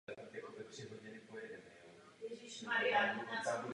Směřuje pak k jihozápadu částečně zalesněnou krajinou a zařezává se do okolního terénu.